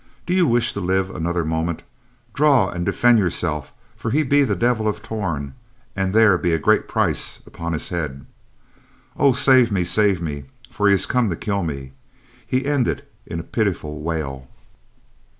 Do you wish to live another moment, draw and defend yourselves for he be the Devil of Torn, and there be a great price upon his head. "Oh, save me, save me! for he has come to kill me," he ended in a pitiful wail.